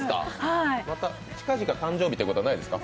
また近々誕生日ということはないですか？